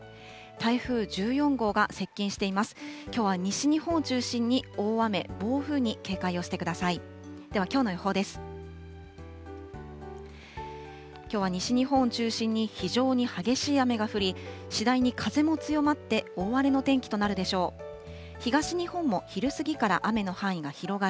台風１４号が接近しています。